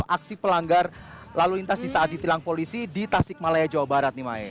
aksi pelanggar lalu lintas di saat ditilang polisi di tasikmalaya jawa barat nih maya